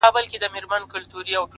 روح مي نیم بسمل نصیب ته ولیکم؛